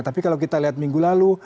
tapi kalau kita lihat minggu lalu